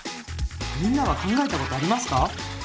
みんなは考えたことありますか？